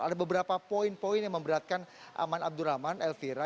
ada beberapa poin poin yang memberatkan aman abdurrahman elvira